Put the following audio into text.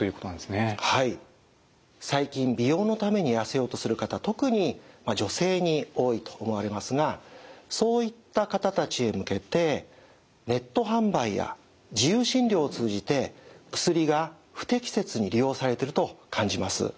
はい最近美容のためにやせようとする方特に女性に多いと思われますがそういった方たちへ向けてネット販売や自由診療を通じて薬が不適切に利用されてると感じます。